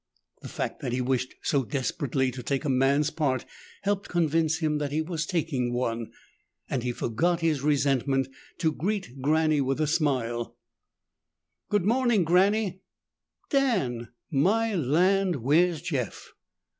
The fact that he wished so desperately to take a man's part helped convince him that he was taking one, and he forgot his resentment to greet Granny with a smile. "Good morning, Granny." "Dan! My land! Where's Jeff?"